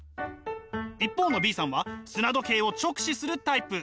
一方のＢさんは砂時計を直視するタイプ。